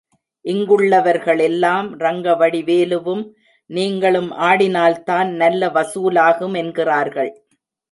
இங்குள்ளவர்களெல்லாம் ரங்கவடி வேலுவும் நீங்களும் ஆடினால்தான் நல்ல வசூலாகுமென்கிறார்கள்.